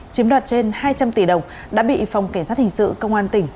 chiếm đoạt trên hai trăm linh tỷ đồng đã bị phòng cảnh sát hình sự công an tỉnh